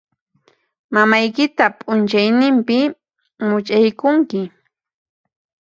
Mamaykita p'unchaynimpi much'aykunki.